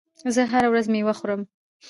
زه هره ورځ مېوه خورم.